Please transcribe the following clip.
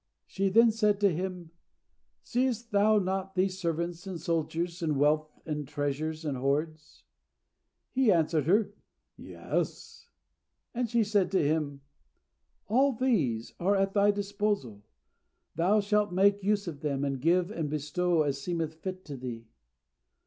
She then said to him, "Seest thou not these servants and soldiers and wealth and treasures and hoards?" He answered her, "Yes." And she said to him, "All these are at thy disposal; thou shalt make use of them, and give and bestow as seemeth fit to thee."